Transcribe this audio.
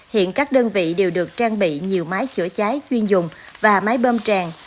hiện các đơn vị đều được trang bị nhiều máy chữa cháy chuyên dùng và máy bơm tràn